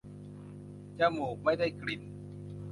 จมูกไม่ได้กลิ่น